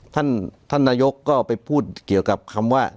ท่านท่านนายกก็ไปพูดเกี่ยวกับคำว่า